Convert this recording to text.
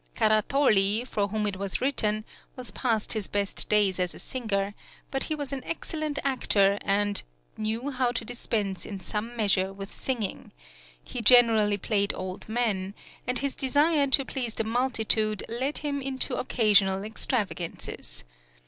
Caratoli, for whom it was written was past his best days as a singer, but he was an excellent actor, and "knew how to dispense in some measure with singing"; he generally played old men, and his desire to please the multitude led him into occasional extravagances.